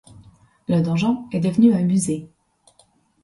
Le donjon est devenu un musée.